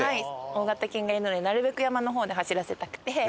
大型犬がいるのでなるべく山の方で走らせたくて。